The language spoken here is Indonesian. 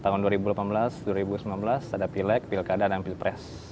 tahun dua ribu delapan belas dua ribu sembilan belas ada pileg pilkada dan pilpres